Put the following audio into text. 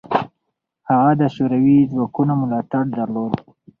هغه د شوروي ځواکونو ملاتړ درلود.